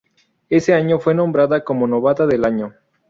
Ese año fue nombrada como novata del año.